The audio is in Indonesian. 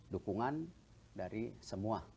dukungan dari semua